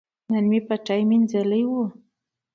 نن مې پټی مینځلي وو.